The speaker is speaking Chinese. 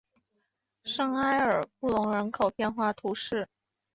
圣埃尔布隆人口变化图示